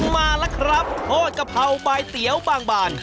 มาล่ะครับโฆษกะเพราบ่ายเตี๋ยวบางบาน